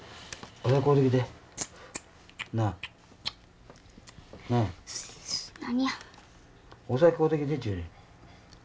お酒買うてきてっちゅうねん。